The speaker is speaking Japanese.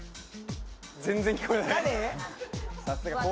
全然聞こえない。